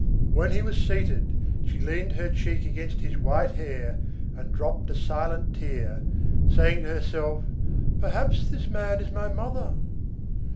When he was seated, she leaned her cheek against his white hair, and dropped a silent tear, saying to herself: "Perhaps this man is my mother."